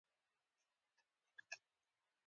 ګرمې اوبه د نس درد کموي